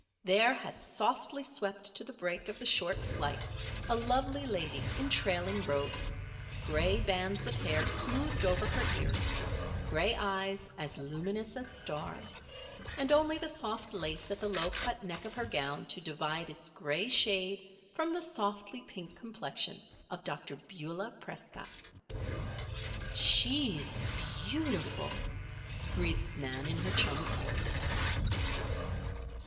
There had softly swept to the break of the short flight, a lovely lady in trailing robes, gray bands of hair smoothed over her ears, gray eyes as luminous as stars; and only the soft lace at the low cut neck of her gown to divide its gray shade from the softly pink complexion of Dr. Beulah Prescott. "She's beautiful," breathed Nan in her chum's ear.